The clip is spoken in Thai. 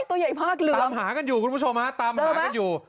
ตัวใหญ่มากเลยตามหากันอยู่คุณผู้ชมฮะตามหากันอยู่